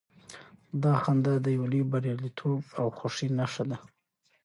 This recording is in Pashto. دا خندا د يو لوی برياليتوب او خوښۍ نښه وه.